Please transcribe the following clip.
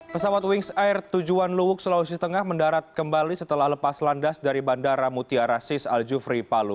pesawat wings air tujuan luwuk sulawesi tengah mendarat kembali setelah lepas landas dari bandara mutiara sis al jufri palu